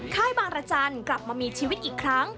ค่ายบางรจันทร์กลับมามีชีวิตอีกครั้ง